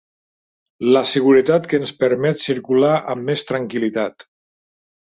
La seguretat que ens permet circular amb més tranquil·litat.